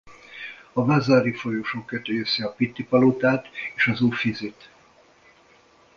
Vasari-folyosó köti össze a Pitti-palotát és az Uffizit.